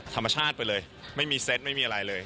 ธรรมชาติไปเลยไม่มีเซตไม่มีอะไรเลย